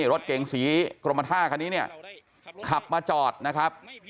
รถเก๋งสีกรมทาคานี้ขับมาจอดนะครับ